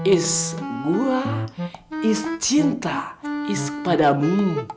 itu gua itu cinta itu padaku